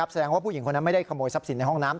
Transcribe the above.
แสดงว่าผู้หญิงคนนั้นไม่ได้ขโมยทรัพย์สินในห้องน้ำ